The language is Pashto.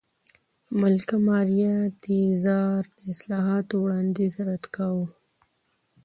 ملکه ماریا تېرازا د اصلاحاتو وړاندیز رد کاوه.